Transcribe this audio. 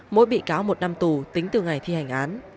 mỗi bị cáo một năm tù tính từ ngày thi hành án